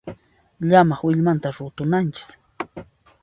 Llamaq willmanta rutunanchis.